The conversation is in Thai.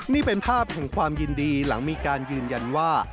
นี่เป็นภาพแห่งความยินดีหลังมีการยืนยันว่า